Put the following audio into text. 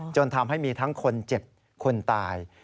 จนทำให้มีทั้งคนเจ็บคนตาย